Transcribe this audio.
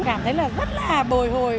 cảm thấy là rất là bồi hồi